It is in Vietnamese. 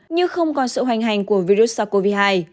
như không còn sự hoành hành của virus sars cov hai